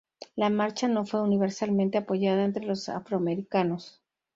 La marcha no fue universalmente apoyada entre los afroamericanos.